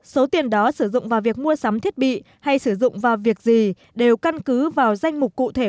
số tiền đó sử dụng vào việc mua sắm thiết bị hay sử dụng vào việc gì đều căn cứ vào danh mục cụ thể